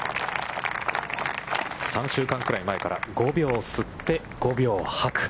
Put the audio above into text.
３週間ぐらい前から、５秒吸って、５秒吐く。